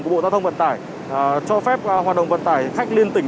bộ giao thông vận tải cho phép hoạt động vận tải khách liên tỉnh